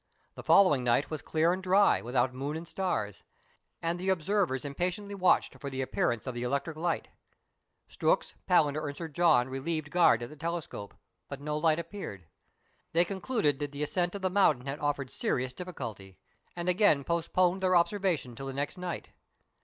The following night was clear and dry, w^ithout moon and stars, and the observers impatiently watched for the appearance of the electric light. Strux, Palander, and Sir John relieved guard at the telescope, bnt no light appeared. They con cluded that the ascent of the mountain had offered serious difficulty, and again postponed their observations till the next night.